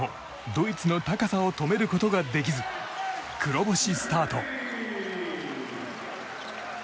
ドイツの高さを止めることができず黒星スタート。